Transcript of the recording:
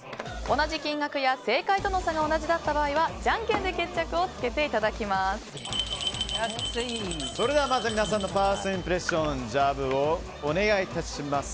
同じ金額や正解との差が同じだった場合はじゃんけんでまず皆さんのファーストインプレッションお願いします。